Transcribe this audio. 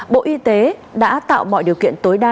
bộ y tế đã tạo mọi điều kiện tối đa